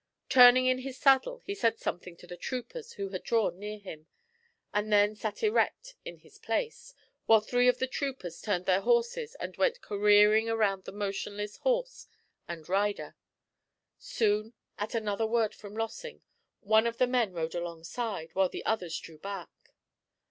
Turning in his saddle, he said something to the troopers who had drawn near him, and then sat erect in his place, while three of the troopers turned their horses and went careering around the motionless horse and rider. Soon, at another word from Lossing, one of the men rode alongside, while the others drew back.